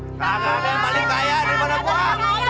enggak ada yang paling kaya di mana gua